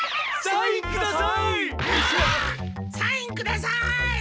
サインください！